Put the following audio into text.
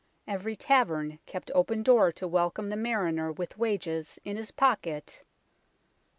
Every tavern kept open door to welcome the mariner with wages in his pocket.